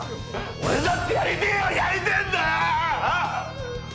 俺だってやりてえようにやりてえんだよ。